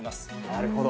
なるほど。